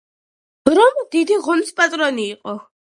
რომ დიდი ღონის პატრონი იყო